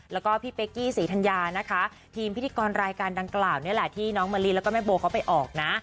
แล้วก็พี่เป๊กกี้ศรีธัญญานะคะทีมพิธีกรรายการดังกล่าวนี่แหละที่น้องมะลิแล้วก็แม่โบเขาไปออกนะ